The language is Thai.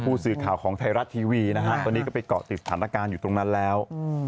ผู้สื่อข่าวของไทยรัฐทีวีนะฮะตอนนี้ก็ไปเกาะติดสถานการณ์อยู่ตรงนั้นแล้ว